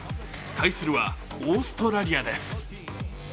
対するはオーストラリアです。